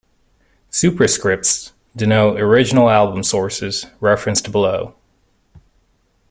Superscripts denote original album sources, referenced below.